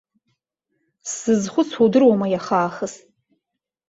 Сзызхәыцуа удыруама иаха аахыс.